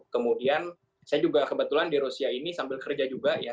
kemudian saya juga kebetulan di rusia ini sambil kerja juga ya